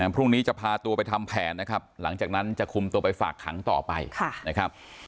พรุ่งนี้จะพาตัวไปทำแผนนะครับหลังจากนั้นจะคุมตัวไปฝากขังต่อไปนะครับ